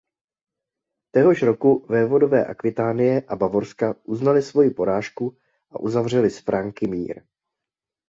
Téhož roku vévodové Akvitánie i Bavorska uznali svoji porážku a uzavřeli s Franky mír.